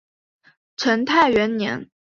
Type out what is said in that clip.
成泰元年。